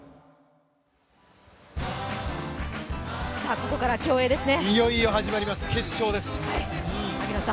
ここから競泳ですね。